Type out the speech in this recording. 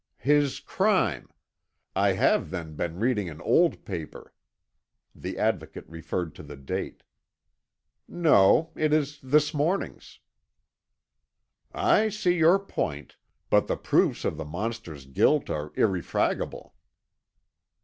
"His crime! I have, then, been reading an old paper." The Advocate referred to the date. "No it is this morning's." "I see your point, but the proofs of the monster's guilt are irrefragable."